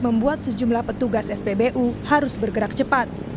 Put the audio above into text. membuat sejumlah petugas spbu harus bergerak cepat